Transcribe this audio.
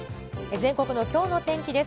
全国のきょうの天気です。